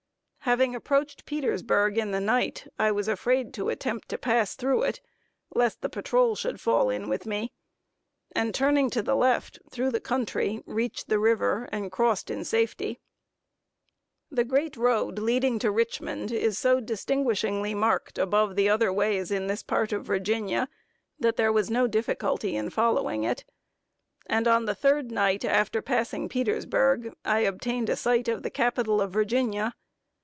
Having approached Petersburg in the night, I was afraid to attempt to pass through it, lest the patrol should fall in with me; and turning to the left through the country, reached the river, and crossed in safety. The great road leading to Richmond is so distinguishingly marked above the other ways in this part of Virginia, that there was no difficulty in following it, and on the third night after passing Petersburg, I obtained a sight of the capitol of Virginia.